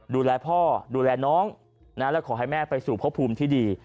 ดูแลพ่อดูแลน้องและขอให้แม่ไปสู่พบภูมิที่ดี